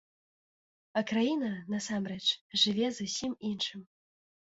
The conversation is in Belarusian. А краіна, насамрэч, жыве зусім іншым.